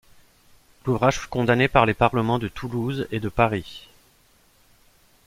L'ouvrage fut condamné par les parlements de Toulouse et de Paris.